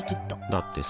だってさ